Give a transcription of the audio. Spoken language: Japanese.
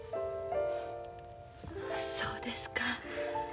そうですか。